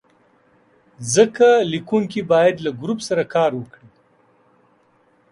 ځکه لیکونکی باید له ګروپ سره کار وکړي.